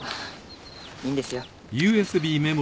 いいんですよ。